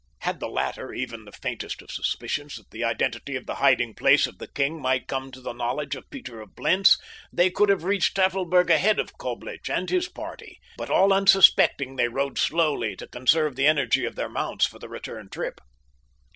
Had the latter had even the faintest of suspicions that the identity of the hiding place of the king might come to the knowledge of Peter of Blentz they could have reached Tafelberg ahead of Coblich and his party, but all unsuspecting they rode slowly to conserve the energy of their mounts for the return trip.